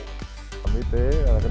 thứ nhất là khám